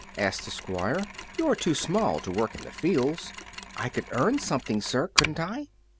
asked the Squire; "you are too small to work in the fields." "I could earn something, sir, couldn't I?"